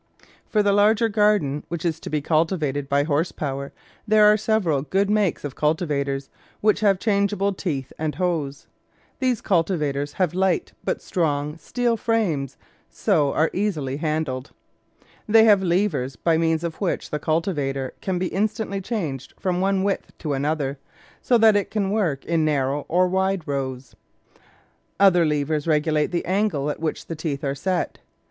For the larger garden, which is to be cultivated by horse power, there are several good makes of cultivators, which have changeable teeth and hoes. These cultivators have light, but strong, steel frames, so are easily handled. They have levers, by means of which the cultivator can be instantly changed from one width to another, so that it can TOOLS WHICH MAKE GARDENING EASY work in narrow or wide rows. Other levers regulate the angle at which the teeth are set.